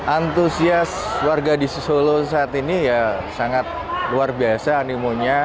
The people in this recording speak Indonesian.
antusias warga di solo saat ini ya sangat luar biasa animonya